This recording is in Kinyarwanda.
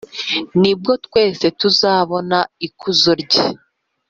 Nibwo twese tuzabon’ ikuzo rye